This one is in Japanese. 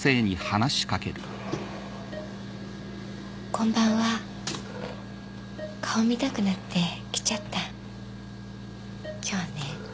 こんばんは顔を見たくなって来ちゃった今日ね